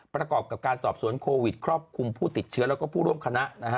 ประกอบกับการสอบสวนโควิดครอบคลุมผู้ติดเชื้อแล้วก็ผู้ร่วมคณะนะฮะ